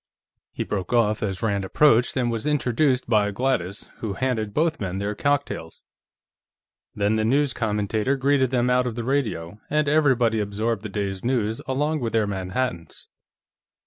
He broke off as Rand approached and was introduced by Gladys, who handed both men their cocktails. Then the news commentator greeted them out of the radio, and everybody absorbed the day's news along with their Manhattans.